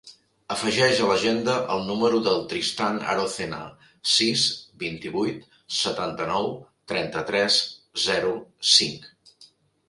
Afegeix a l'agenda el número del Tristan Arocena: sis, vint-i-vuit, setanta-nou, trenta-tres, zero, cinc.